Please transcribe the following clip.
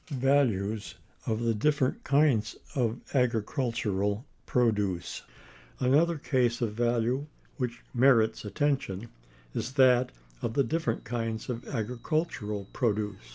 Values of the different kinds of agricultural produce. Another case of value which merits attention is that of the different kinds of agricultural produce.